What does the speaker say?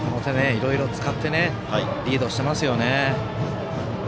いろいろ使ってリードしていますよね。